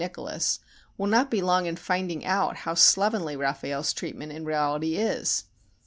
Nicholas will not be long in finding out how slovenly Raffaelle's treatment in reality is.